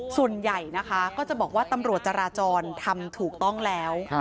ส่วนใหญ่นะคะก็จะบอกว่าตำรวจจราจรทำถูกต้องแล้ว